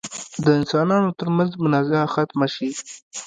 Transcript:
د انسانانو تر منځ منازعه ختمه شي.